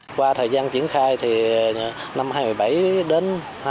qua thời gian triển khai thì năm hai nghìn một mươi bảy đến hai nghìn một mươi chín